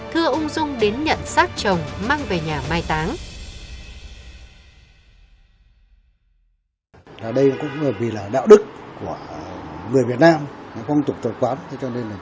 thưa ung dung đến nhận xác chồng mang về nhà mai táng